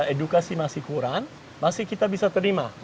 edukasi masih kurang masih kita bisa terima